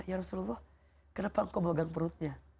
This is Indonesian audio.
ya rasulullah kenapa engkau memegang perutnya